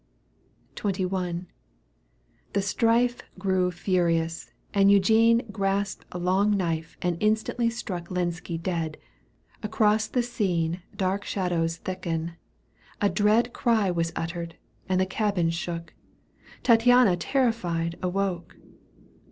XXI. 2^ The strife grew furious and Eugene Grasped a long knife and instantly Struck Lenski dead — across the scene Dark shadows thicken — a dread cry Was uttered, and the cabin shook — Tattiana terrified awoke.